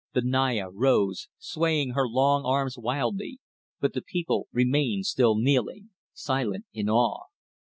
The Naya rose, swaying her long arms wildly, but the people remained still kneeling, silent in awe.